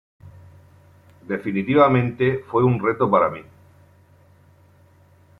Definitivamente fue un reto para mí.